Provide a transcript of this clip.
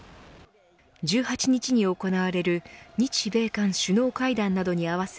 １８日に行われる日米韓首脳会談などに合わせ